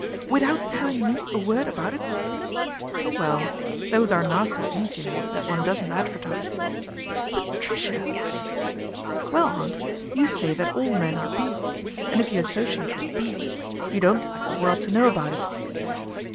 ' Without telling me a word about it." " Oh, well ! those are nasty things, you know, that one doesn't advertise." " Patricia !" 82 PATRICIA BRENT, SPINSTER " Well, aunt, you say that all men are beasts, and if you associate with beasts, you don't like the world to know about it."